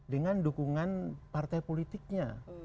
dengan dukungan partai politik itu